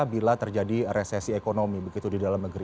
bila terjadi resesi ekonomi begitu di dalam negeri